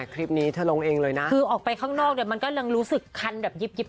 คลิปนี้เธอลงเองเลยนะคือออกไปข้างนอกเนี่ยมันก็ยังรู้สึกคันแบบยิบยิบ